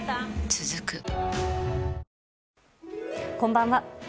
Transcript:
続くこんばんは。